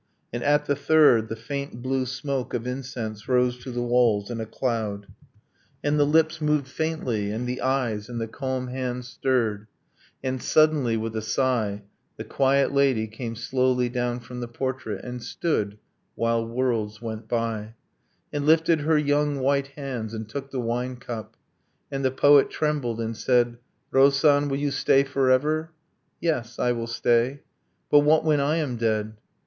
And at the third the faint blue smoke of incense Rose to the walls in a cloud, And the lips moved faintly, and the eyes, and the calm hands stirred; And suddenly, with a sigh, The quiet lady came slowly down from the portrait, And stood, while worlds went by, And lifted her young white hands and took the wine cup; And the poet trembled, and said, 'Lo san, will you stay forever?' 'Yes, I will stay.' 'But what when I am dead?'